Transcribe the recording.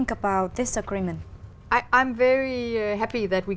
trong ba năm tiếp theo